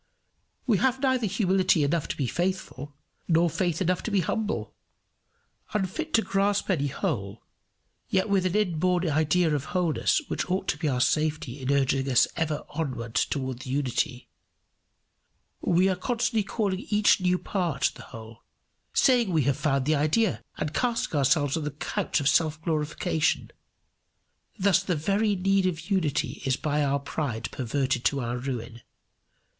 We have neither humility enough to be faithful, nor faith enough to be humble. Unfit to grasp any whole, yet with an inborn idea of wholeness which ought to be our safety in urging us ever on towards the Unity, we are constantly calling each new part the whole, saying we have found the idea, and casting ourselves on the couch of self glorification. Thus the very need of unity is by our pride perverted to our ruin.